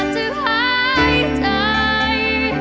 จะหายใจ